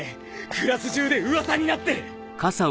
クラス中で噂になってる！